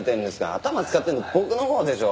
頭使ってるの僕のほうでしょ。